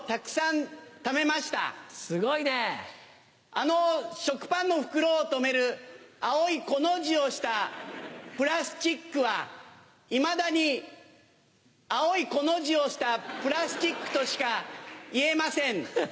あの食パンの袋を留める青いコの字をしたプラスチックはいまだに青いコの字をしたプラスチックとしか言えません。